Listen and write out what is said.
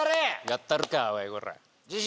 やったるかおいこらっ。